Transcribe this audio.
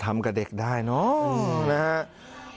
ทำกับเด็กได้เนอะนะครับ